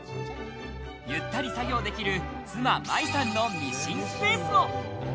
ゆったり作業できる、妻・五月さんのミシンスペースも。